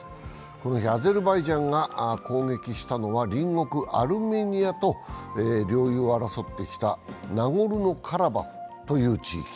この日アゼルバイジャンが攻撃したのは隣国アルメニアと領有を争ってきたナゴルノ・カラバフという地域。